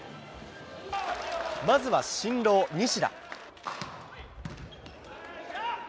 まずは新郎、西田。